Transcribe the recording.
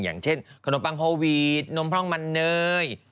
อย่างเช่นขนมปังโฮวีดนมพร่องมันเนย